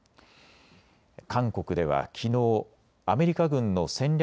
韓国ではきのう、アメリカ軍の戦略